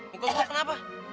muka gue kenapa